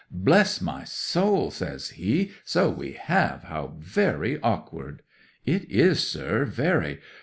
"Bless my soul," says he, "so we have! How very awkward!" '"It is, sir; very.